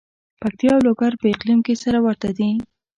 پکتیا او لوګر په اقلیم کې سره ورته دي.